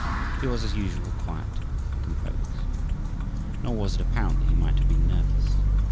He was, as usual, quiet and composed. Nor was it apparent that he might have been nervous.